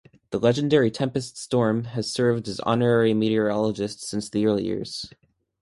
The legendary Tempest Storm has served as honorary meteorologist since the early years.